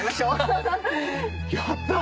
やった！